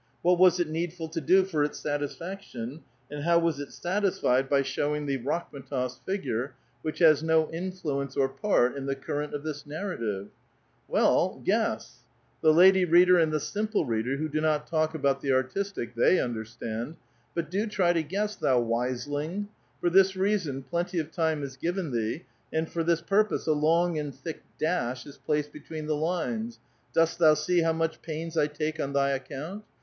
What was it needful to do for its satisfaction? and how was it satisfied by showing thee Rakhm^tof's figure, which has no influence or part in the cur rent of this narrative? Well {nu ko)^ gness! The lady reader and the simple reader, who do not talk about the ai tistic, they understand. But do try to guess, thou wise ling ! For this reason plenty of time is given thee, and for this purpose a long and thick dash is placed between the lines. Dost thou see how much pains I take on th}' account?